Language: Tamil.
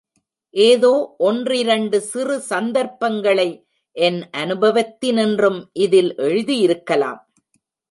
ஏதோ ஒன்றிரண்டு சிறு சந்தர்ப்பங்களை என் அனுபவத்தினின்றும் இதில் எழுதியிருக்கலாம்.